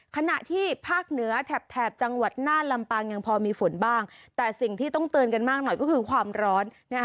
ขณะที่ภาคเหนือแถบจังหวัดน่านลำปางยังพอมีฝนบ้างแต่สิ่งที่ต้องเตือนกันมากหน่อยก็คือความร้อน